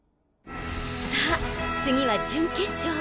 さあ次は準決勝。